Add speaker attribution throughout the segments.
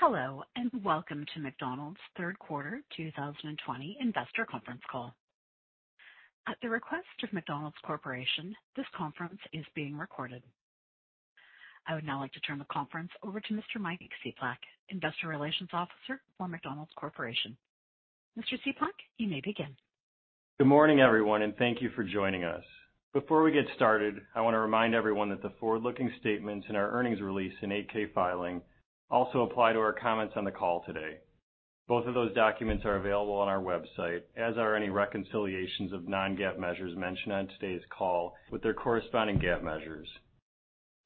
Speaker 1: Hello, welcome to McDonald's Q3 2020 investor conference call. At the request of McDonald's Corporation, this conference is being recorded. I would now like to turn the conference over to Mr. Mike Cieplak, Investor Relations Officer for McDonald's Corporation. Mr. Cieplak, you may begin.
Speaker 2: Good morning, everyone, and thank you for joining us. Before we get started, I want to remind everyone that the forward-looking statements in our earnings release and 8-K filing also apply to our comments on the call today. Both of those documents are available on our website, as are any reconciliations of non-GAAP measures mentioned on today's call with their corresponding GAAP measures.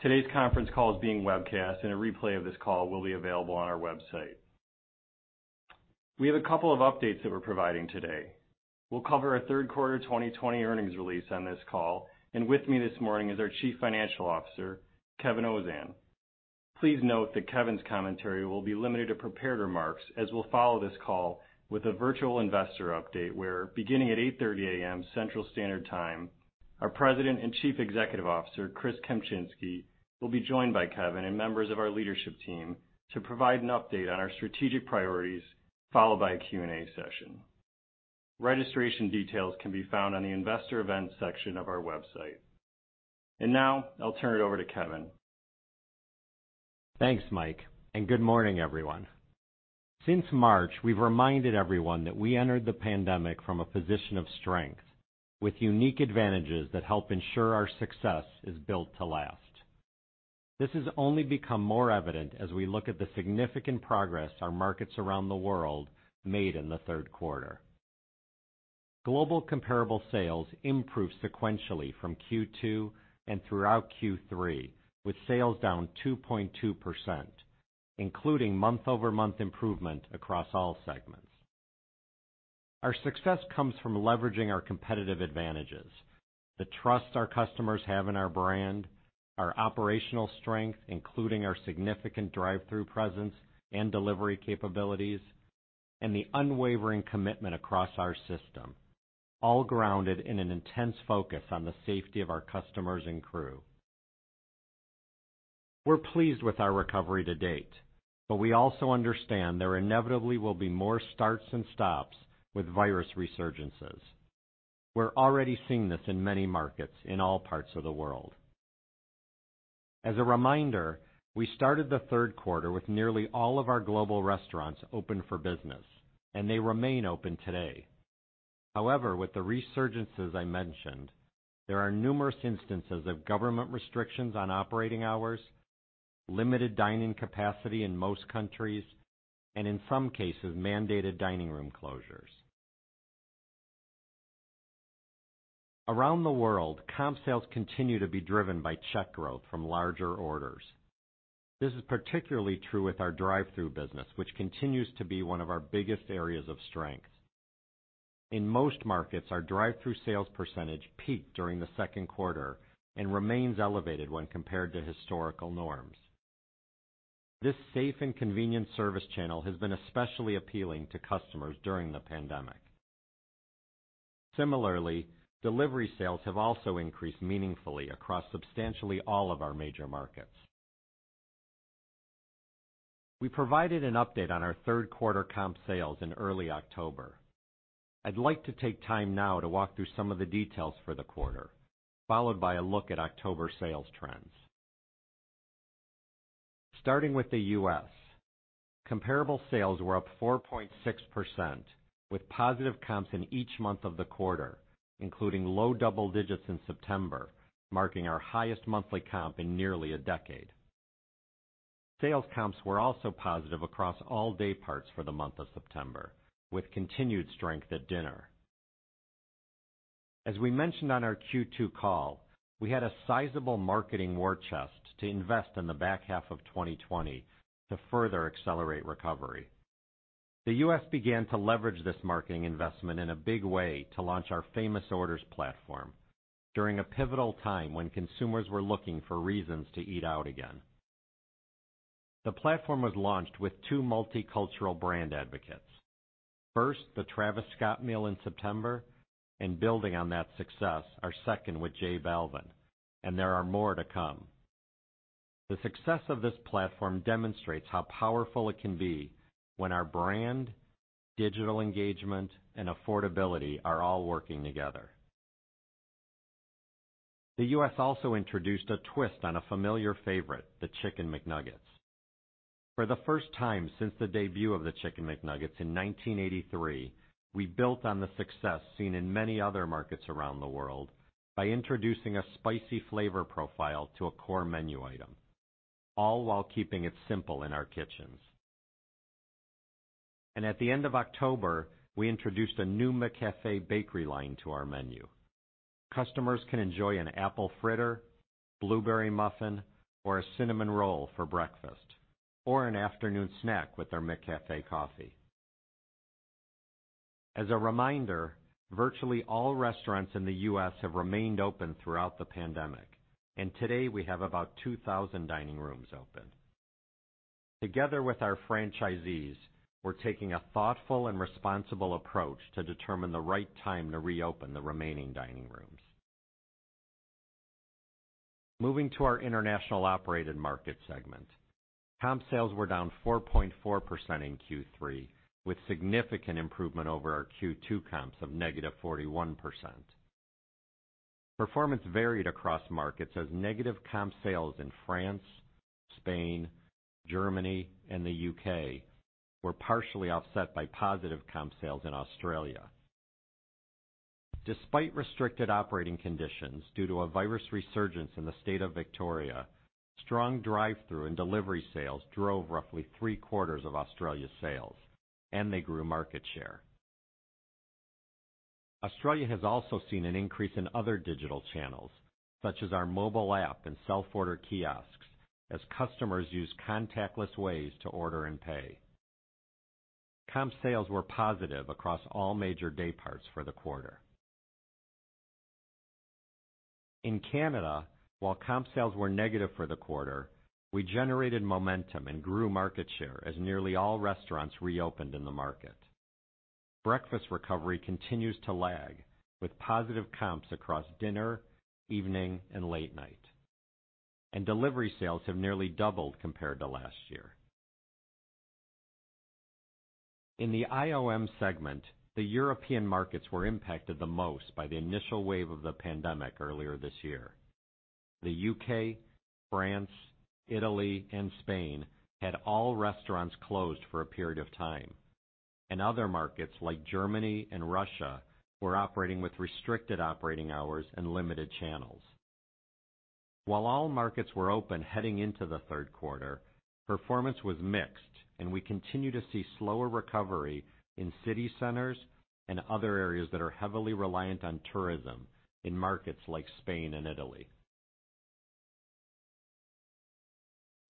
Speaker 2: Today's conference call is being webcast, and a replay of this call will be available on our website. We have a couple of updates that we're providing today. We'll cover our Q3 2020 earnings release on this call, and with me this morning is our Chief Financial Officer, Kevin Ozan. Please note that Kevin's commentary will be limited to prepared remarks, as we'll follow this call with a virtual investor update where, beginning at 8:30 A.M. Central Standard Time, our President and Chief Executive Officer, Chris Kempczinski, will be joined by Kevin and members of our leadership team to provide an update on our strategic priorities, followed by a Q&A session. Registration details can be found on the investor events section of our website. Now, I'll turn it over to Kevin.
Speaker 3: Thanks, Mike, and good morning, everyone. Since March, we've reminded everyone that we entered the pandemic from a position of strength with unique advantages that help ensure our success is built to last. This has only become more evident as we look at the significant progress our markets around the world made in the Q3. Global comparable sales improved sequentially from Q2 and throughout Q3, with sales down 2.2%, including month-over-month improvement across all segments. Our success comes from leveraging our competitive advantages, the trust our customers have in our brand, our operational strength, including our significant drive-thru presence and delivery capabilities, and the unwavering commitment across our system, All grounded in an intense focus on the safety of our customers and crew. We're pleased with our recovery to date, but we also understand there inevitably will be more starts and stops with virus resurgences. We're already seeing this in many markets in all parts of the world. As a reminder, we started the Q3 with nearly all of our global restaurants open for business, and they remain open today. However, with the resurgences I mentioned, there are numerous instances of government restrictions on operating hours, limited dine-in capacity in most countries, and in some cases, mandated dining room closures. Around the world, comp sales continue to be driven by check growth from larger orders. This is particularly true with our drive-thru business, which continues to be one of our biggest areas of strength. In most markets, our drive-thru sales percentage peaked during the Q2 and remains elevated when compared to historical norms. This safe and convenient service channel has been especially appealing to customers during the pandemic. Similarly, delivery sales have also increased meaningfully across substantially all of our major markets. We provided an update on our Q3 comp sales in early October. I'd like to take time now to walk through some of the details for the quarter, followed by a look at October sales trends. Starting with the U.S. Comparable sales were up 4.6%, with positive comps in each month of the quarter, including low double digits in September, marking our highest monthly comp in nearly a decade. Sales comps were also positive across all day parts for the month of September, with continued strength at dinner. As we mentioned on our Q2 call, we had a sizable marketing war chest to invest in the back half of 2020 to further accelerate recovery. The U.S. began to leverage this marketing investment in a big way to launch our Famous Orders platform during a pivotal time when consumers were looking for reasons to eat out again. The platform was launched with two multicultural brand advocates. First, the Travis Scott Meal in September, and building on that success, our second with J Balvin, and there are more to come. The success of this platform demonstrates how powerful it can be when our brand, digital engagement, and affordability are all working together. The U.S. also introduced a twist on a familiar favorite, the Chicken McNuggets. For the first time since the debut of the Chicken McNuggets in 1983, we built on the success seen in many other markets around the world by introducing a spicy flavor profile to a core menu item, all while keeping it simple in our kitchens. At the end of October, we introduced a new McCafé bakery line to our menu. Customers can enjoy an apple fritter, blueberry muffin, or a cinnamon roll for breakfast or an afternoon snack with their McCafé coffee. As a reminder, virtually all restaurants in the U.S. have remained open throughout the pandemic, and today, we have about 2,000 dining rooms open. Together with our franchisees, we're taking a thoughtful and responsible approach to determine the right time to reopen the remaining dining rooms. Moving to our International Operated Market segment. Comp sales were down 4.4% in Q3, with significant improvement over our Q2 comps of -41%. Performance varied across markets as negative comp sales in France, Spain, Germany, and the U.K. were partially offset by positive comp sales in Australia. Despite restricted operating conditions due to a virus resurgence in the state of Victoria, strong drive-through and delivery sales drove roughly Q3s of Australia's sales, and they grew market share. Australia has also seen an increase in other digital channels, such as our mobile app and self-order kiosks, as customers use contactless ways to order and pay. Comp sales were positive across all major dayparts for the quarter. In Canada, while comp sales were negative for the quarter, we generated momentum and grew market share as nearly all restaurants reopened in the market. Breakfast recovery continues to lag with positive comps across dinner, evening, and late night. Delivery sales have nearly doubled compared to last year. In the IOM segment, the European markets were impacted the most by the initial wave of the pandemic earlier this year. The U.K., France, Italy, and Spain had all restaurants closed for a period of time, and other markets like Germany and Russia were operating with restricted operating hours and limited channels. While all markets were open heading into the Q3, performance was mixed, and we continue to see slower recovery in city centers and other areas that are heavily reliant on tourism in markets like Spain and Italy.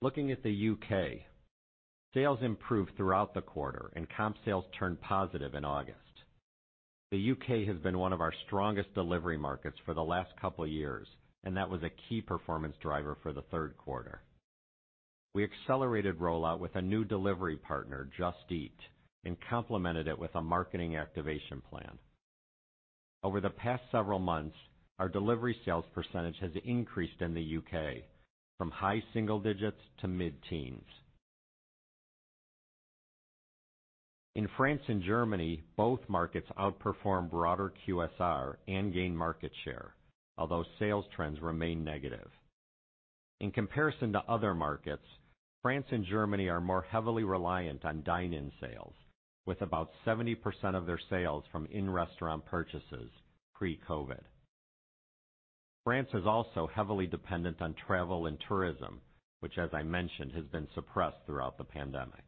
Speaker 3: Looking at the U.K. Sales improved throughout the quarter and comp sales turned positive in August. The U.K. has been one of our strongest delivery markets for the last couple of years, and that was a key performance driver for the Q3. We accelerated rollout with a new delivery partner, Just Eat, and complemented it with a marketing activation plan. Over the past several months, our delivery sales percentage has increased in the U.K. from high single digits to mid-teens. In France and Germany, both markets outperformed broader QSR and gained market share, although sales trends remain negative. In comparison to other markets, France and Germany are more heavily reliant on dine-in sales, with about 70% of their sales from in-restaurant purchases pre-COVID. France is also heavily dependent on travel and tourism, which as I mentioned, has been suppressed throughout the pandemic.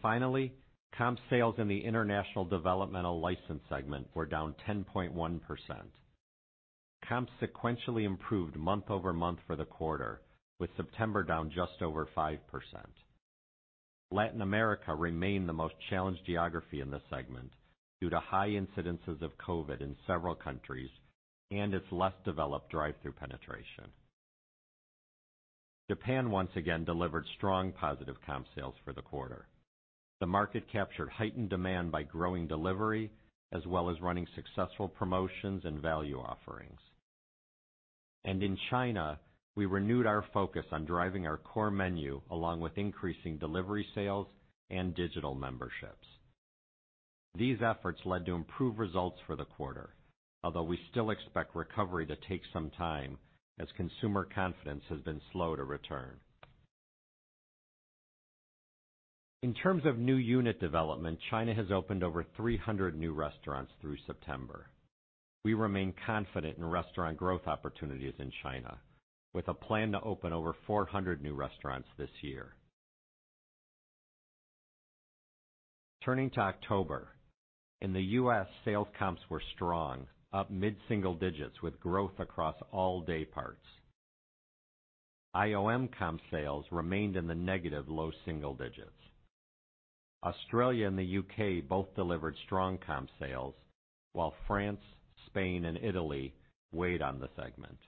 Speaker 3: Finally, comp sales in the International Developmental Licensed segment were down 10.1%. Comps sequentially improved month-over-month for the quarter, with September down just over 5%. Latin America remained the most challenged geography in this segment due to high incidences of COVID in several countries and its less developed drive-thru penetration. Japan once again delivered strong positive comp sales for the quarter. The market captured heightened demand by growing delivery as well as running successful promotions and value offerings. In China, we renewed our focus on driving our core menu along with increasing delivery sales and digital memberships. These efforts led to improved results for the quarter, although we still expect recovery to take some time as consumer confidence has been slow to return. In terms of new unit development, China has opened over 300 new restaurants through September. We remain confident in restaurant growth opportunities in China with a plan to open over 400 new restaurants this year. Turning to October. In the U.S., sales comps were strong, up mid-single digits with growth across all dayparts. IOM comp sales remained in the negative low double digits. Australia and the U.K. both delivered strong comp sales, while France, Spain, and Italy weighed on the segment.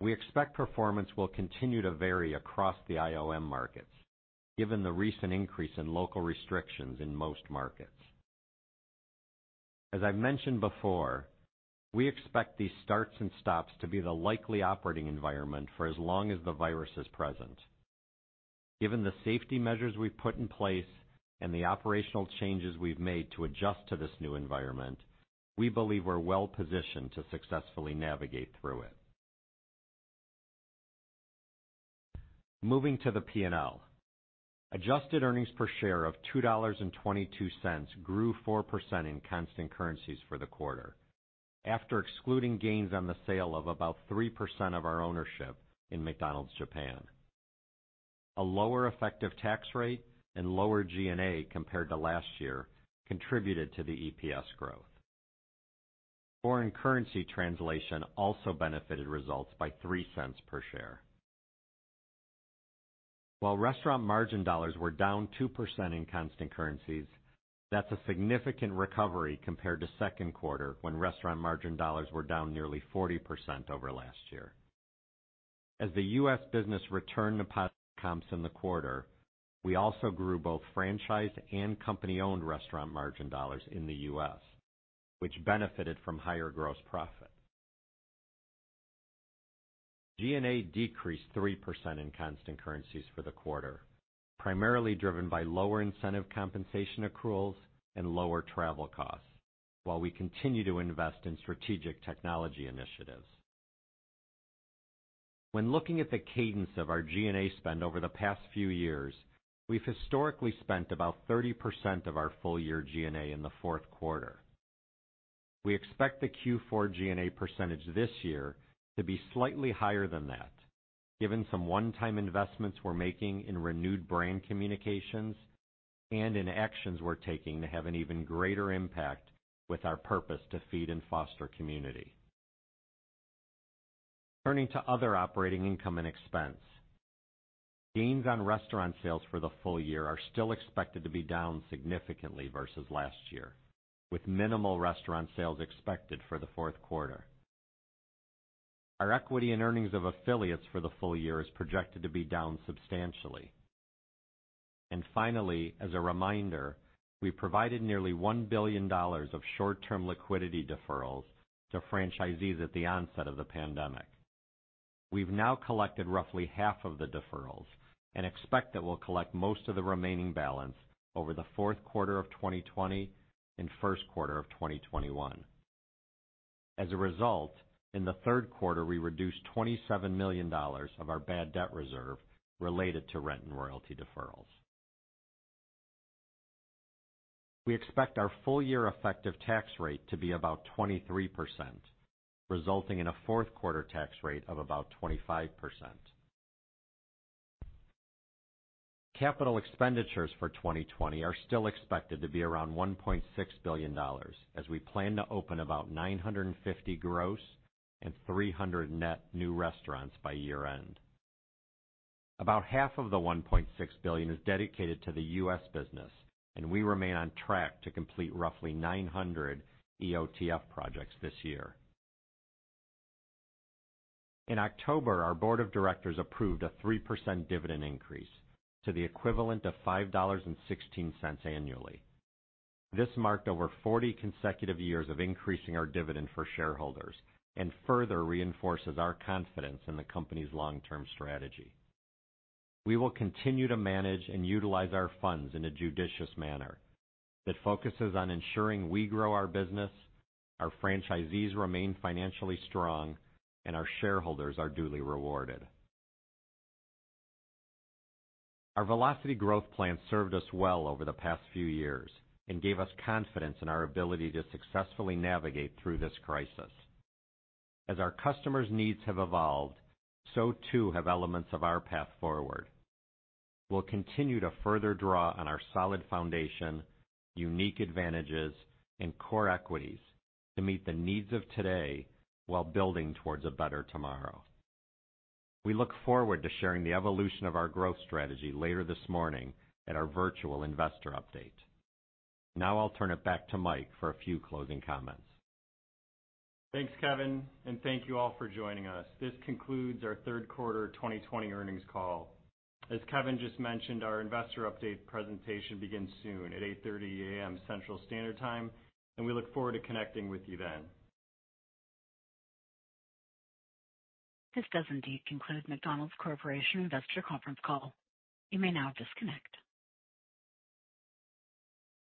Speaker 3: We expect performance will continue to vary across the IOM markets given the recent increase in local restrictions in most markets. As I've mentioned before, we expect these starts and stops to be the likely operating environment for as long as the virus is present. Given the safety measures we've put in place and the operational changes we've made to adjust to this new environment, we believe we're well positioned to successfully navigate through it. Moving to the P&L. Adjusted earnings per share of $2.22 grew 4% in constant currencies for the quarter, after excluding gains on the sale of about 3% of our ownership in McDonald's Japan. A lower effective tax rate and lower G&A compared to last year contributed to the EPS growth. Foreign currency translation also benefited results by $0.03 per share. While restaurant margin dollars were down 2% in constant currencies, that's a significant recovery compared to Q2 when restaurant margin dollars were down nearly 40% over last year. As the U.S. business returned to positive comps in the quarter, we also grew both franchise and company-owned restaurant margin dollars in the U.S., which benefited from higher gross profit. G&A decreased 3% in constant currencies for the quarter, primarily driven by lower incentive compensation accruals and lower travel costs, while we continue to invest in strategic technology initiatives. When looking at the cadence of our G&A spend over the past few years, we've historically spent about 30% of our full year G&A in the Q4. We expect the Q4 G&A percentage this year to be slightly higher than that, given some one-time investments we're making in renewed brand communications and in actions we're taking to have an even greater impact with our purpose to feed and foster community. Turning to other operating income and expense. Gains on restaurant sales for the full year are still expected to be down significantly versus last year, with minimal restaurant sales expected for the Q4. Our equity and earnings of affiliates for the full year is projected to be down substantially. Finally, as a reminder, we provided nearly $1 billion of short-term liquidity deferrals to franchisees at the onset of the pandemic. We've now collected roughly half of the deferrals and expect that we'll collect most of the remaining balance over the Q4 of 2020 and Q1 of 2021. As a result, in the Q3, we reduced $27 million of our bad debt reserve related to rent and royalty deferrals. We expect our full year effective tax rate to be about 23%, resulting in a Q4 tax rate of about 25%. Capital expenditures for 2020 are still expected to be around $1.6 billion, as we plan to open about 950 gross and 300 net new restaurants by year-end. About half of the $1.6 billion is dedicated to the US business, and we remain on track to complete roughly 900 EOTF projects this year. In October, our board of directors approved a 3% dividend increase to the equivalent of $5.16 annually. This marked over 40 consecutive years of increasing our dividend for shareholders and further reinforces our confidence in the company's long-term strategy. We will continue to manage and utilize our funds in a judicious manner that focuses on ensuring we grow our business, our franchisees remain financially strong, and our shareholders are duly rewarded. Our Velocity Growth Plan served us well over the past few years and gave us confidence in our ability to successfully navigate through this crisis. As our customers' needs have evolved, so too have elements of our path forward. We'll continue to further draw on our solid foundation, unique advantages, and core equities to meet the needs of today while building towards a better tomorrow. We look forward to sharing the evolution of our growth strategy later this morning at our virtual investor update. Now I'll turn it back to Mike for a few closing comments.
Speaker 2: Thanks, Kevin, and thank you all for joining us. This concludes our Q3 2020 earnings call. As Kevin just mentioned, our investor update presentation begins soon at 8:30 A.M. Central Standard Time, and we look forward to connecting with you then.
Speaker 1: This does indeed conclude McDonald's Corporation investor conference call. You may now disconnect.